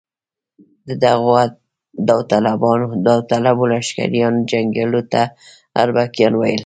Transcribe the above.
د دغو داوطلبو لښکرونو جنګیالیو ته اربکیان ویل.